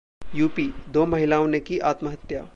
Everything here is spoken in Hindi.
यूपीः दो महिलाओं ने की आत्महत्या